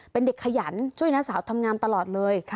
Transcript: เป็นเด็กขยันช่วยน้าสาวทำงานตลอดเลย